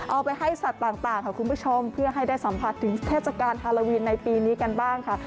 เอาไปให้สัตว์ต่างเพื่อรู้สึกอายุเทศกาลฮาลาวีนกันบ้าง